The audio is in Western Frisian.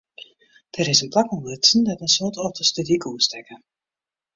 Der is in plak ûntdutsen dêr't in soad otters de dyk oerstekke.